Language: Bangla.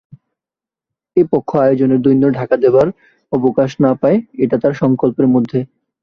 এ পক্ষ আয়োজনের দৈন্য ঢাকা দেবার অবকাশ না পায় এটা তার সংকল্পের মধ্যে।